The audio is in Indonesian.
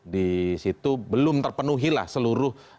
disitu belum terpenuhi lah seluruh